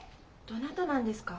どなたなんですか？